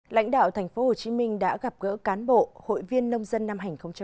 lãnh đạo tp hcm đã gặp gỡ cán bộ hội viên nông dân năm hai nghìn một mươi chín